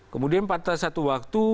kemudian pada satu waktu